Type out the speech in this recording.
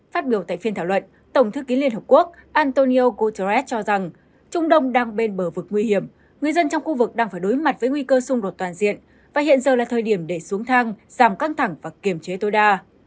phát biểu tại phiên thảo luận tổng thư ký liên hợp quốc antonio guterres cho rằng trung đông đang bên bờ vực nguy hiểm người dân trong khu vực đang phải đối mặt với nguy cơ xung đột toàn diện và hiện giờ là thời điểm để xuống thang giảm căng thẳng và kiềm chế tối đa